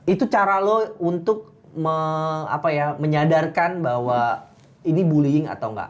itu cara lo untuk menyadarkan bahwa ini bullying atau enggak